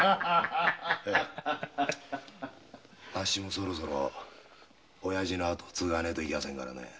あっしもそろそろおやじの跡を継がねえといけやせんからね。